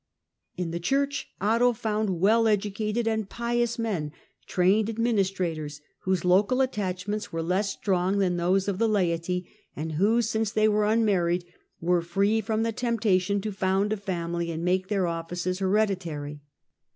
In the Church Otto found well educated and pious men, trained administrators, whose local attachments were less strong than those of the laity ; iind who, since they were unmarried, were free from the emptation to found a family and make their offices hereditary.